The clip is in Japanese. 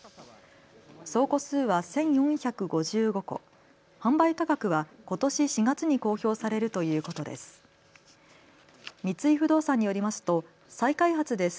総戸数は１４５５戸、販売価格はことし４月に公表されるということです。